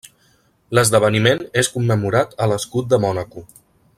L'esdeveniment és commemorat a l'Escut de Mònaco.